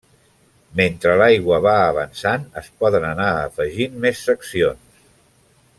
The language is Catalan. Mentre l'aigua va avançant es poden anar afegint més seccions.